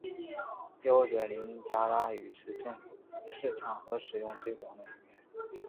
标准林加拉语是正式场合使用最广的语言。